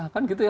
kan gitu ya